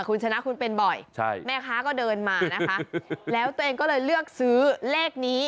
คุณชนะคุณเป็นบ่อยใช่แม่ค้าก็เดินมานะคะแล้วตัวเองก็เลยเลือกซื้อเลขนี้